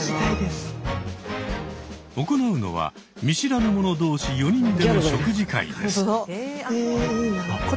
行うのは見知らぬ者同士４人での食事会です。